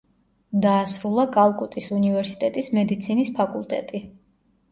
დაასრულა კალკუტის უნივერსიტეტის მედიცინის ფაკულტეტი.